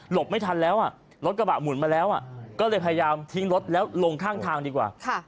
ไม่ทันแล้วรถกระบะหมุนมาแล้วก็เลยพยายามทิ้งรถแล้วลงข้างทางดีกว่า